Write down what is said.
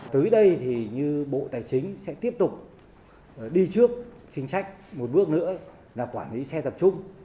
tới đây thì như bộ tài chính sẽ tiếp tục đi trước chính sách một bước nữa là quản lý xe tập trung